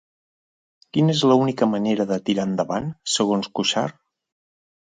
Quina és l'única manera de tirar endavant, segons Cuixart?